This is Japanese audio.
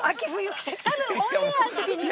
多分オンエアの時には。